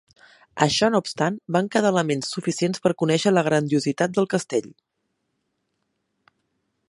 Això no obstant, van quedar elements suficients per conèixer la grandiositat del castell.